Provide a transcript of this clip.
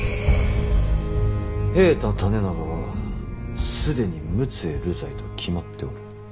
平太胤長は既に陸奥へ流罪と決まっておる。